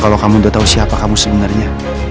kalau kamu udah tau siapa kamu sebenarnya